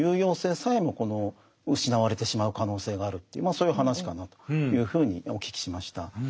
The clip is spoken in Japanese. そういう話かなというふうにお聞きしました。